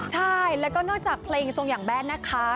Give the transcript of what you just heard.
ใช่แล้วก็นอกจากเพลงทรงอย่างแบนนะคะ